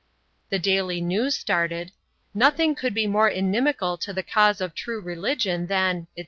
The Daily News started, "Nothing could be more inimical to the cause of true religion than, etc.